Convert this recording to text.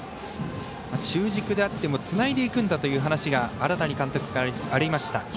中軸であってもつないでいくんだという荒谷監督からありました。